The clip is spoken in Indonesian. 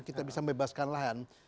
kita bisa membebaskan lahan